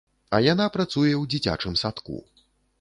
А яна працуе ў дзіцячым садку.